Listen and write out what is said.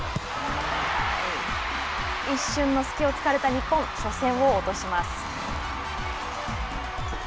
一種の隙をつかれた日本初戦を落とします。